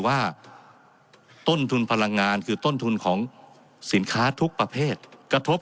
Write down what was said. ว่าต้นทุนพลังงานคือต้นทุนของสินค้าทุกประเภทกระทบ